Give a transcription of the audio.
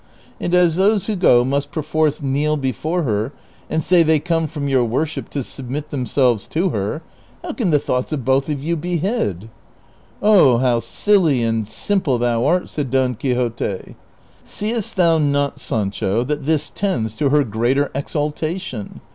And as those who go must perforce kneel before her and say they come from your worship to submit themselves to her, how can the thoughts of both of you be hid ?"" 0, how silly and simple thou art !" said Don Quixote ;" seest thou not, Sancho, that this tends to her greater exalta tion